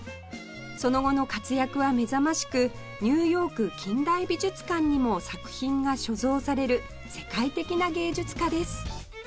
その後の活躍はめざましくニューヨーク近代美術館にも作品が所蔵される世界的な芸術家です